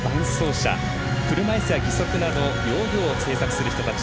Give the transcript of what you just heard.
車いすや義足など用具を製作する人たち。